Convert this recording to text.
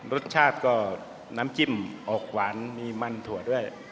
รสชาติก็น้ำจิ้มออกหวานมีมันถั่วด้วย